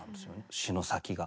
詞の先が。